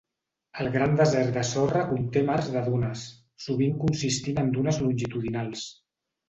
El Gran Desert de Sorra conté mars de dunes, sovint consistint en dunes longitudinals.